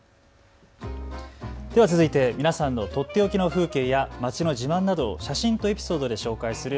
では続いて皆さんのとっておきの風景や街の自慢など写真とエピソードで紹介する＃